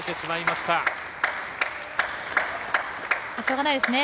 しょうがないですね。